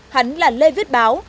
hắn là lê viết báo